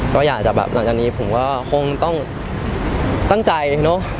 ก็อยากจะแบบหลังจากนี้ผมก็คงต้องตั้งใจเนอะ